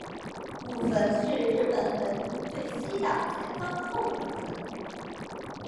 古坟是日本本土最西的前方后圆坟。